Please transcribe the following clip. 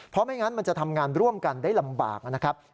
เพราะไม่งั้นมันจะทำงานร่วมกันได้ลำบากนะครับ